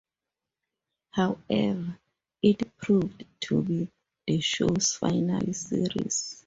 However, it proved to be the show's final series.